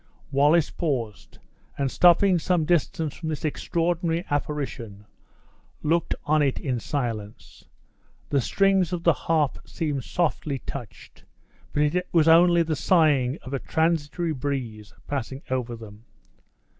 Wallace paused, and stopping some distance from this extraordinary apparition, looked on it in silence. The strings of the harp seemed softly touched, but it was only the sighing of a transitory breeze passing over them.